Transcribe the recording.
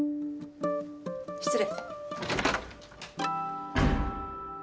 失礼。